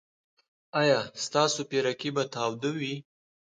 ایا ستاسو پیرکي به تاوده وي؟